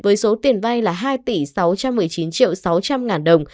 với số tiền vay là hai tỷ sáu trăm một mươi chín triệu sáu trăm linh ngàn đồng